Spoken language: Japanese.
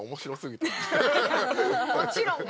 「もちろん」が。